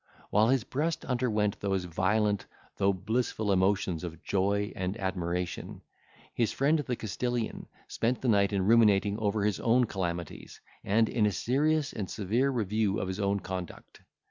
While his breast underwent those violent, though blissful emotions of joy and admiration, his friend the Castilian spent the night in ruminating over his own calamities, and in a serious and severe review of his own conduct.